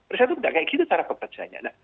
riset itu tidak seperti itu cara bekerjanya